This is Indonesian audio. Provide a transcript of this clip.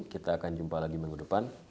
kita akan jumpa lagi minggu depan